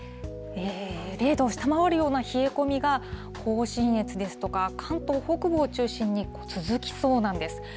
０度を下回るような冷え込みが、甲信越ですとか、関東北部を中心に、続きそうなんです。